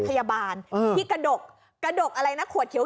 พยาบาลที่กระดกกระดกอะไรนะขวดเขียว